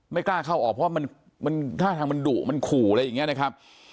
กล้าเข้าออกเพราะว่ามันท่าทางมันดุมันขู่อะไรอย่างนี้นะครับ